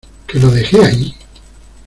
Que lo dejé ahí.